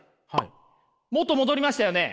元戻りましたよね？